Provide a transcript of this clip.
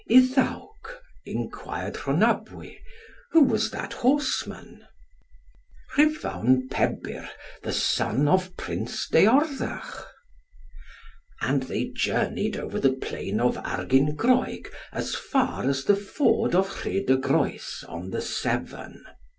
"Iddawc," enquired Rhonabwy, "who was that horseman?" "Rhuvawn Pebyr, the son of Prince Deorthach." And they journeyed over the plain of Argyngroeg as far as the ford of Rhyd y Groes on the Severn.